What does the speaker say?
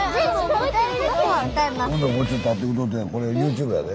これＹｏｕＴｕｂｅやで。